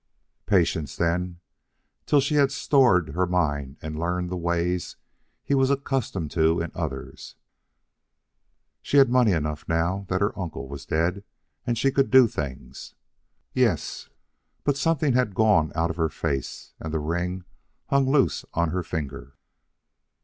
Patience then, till she had stored her mind and learned the ways he was accustomed to in others. She had money enough now that her uncle was dead, and she could do things.... Yes, but something had gone out of her face, and the ring hung loose on her finger.